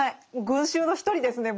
群衆の一人ですね